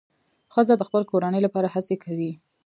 ښځه د خپل کورنۍ لپاره هڅې کوي.